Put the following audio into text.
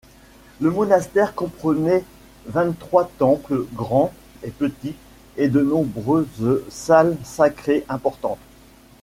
Le monastère comprenait vingt-trois temples, grands et petits, et de nombreuses salles sacrés importantes.